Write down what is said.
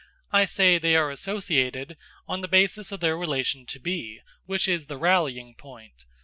I say they are associated on the basis of their relation to B, which is the rallying point.